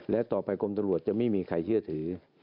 และต่อไปกรมตำรวจจะไม่มีใครเชื่อถือ